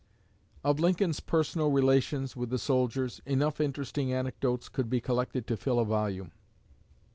Of Lincoln's personal relations with the soldiers, enough interesting anecdotes could be collected to fill a volume.